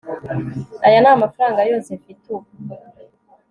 aya ni amafaranga yose mfite ubu